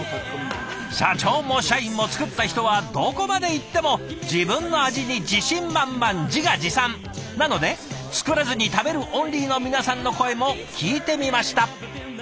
社長も社員も作った人はどこまでいっても自分の味に自信満々自画自賛なので作らずに食べるオンリーの皆さんの声も聞いてみました。